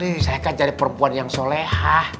pak d saya kan cari perempuan yang solehah